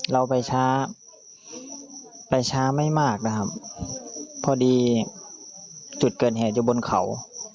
เราไปช้าไปช้าไม่มากนะครับพอดีจุดเกิดเหตุอยู่บนเขา